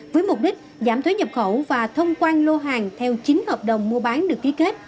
với mục đích giảm thuế nhập khẩu và thông quan lô hàng theo chín hợp đồng mua bán được ký kết